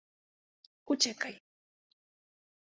Uciekaj.